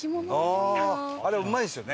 あれうまいですよね。